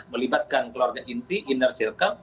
melibatkan keluarga inti inner silkam